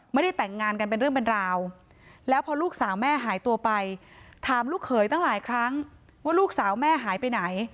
ไม่ได้แต่งงานกันเป็นเรื่องเป็นราวแล้วพอลูกสาวแม่หายตัวไปถามลูกเขยตั้งหลายครั้งว่าลูกสาวแม่หายไปไหน